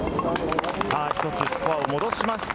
一つスコアを戻しました。